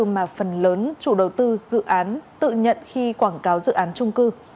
mà phần lớn chủ đầu tư dự án tự nhận khi quảng cáo dự án trung cư